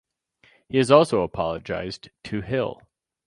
He has also apologized to Hill.